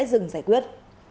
dừng giải quyết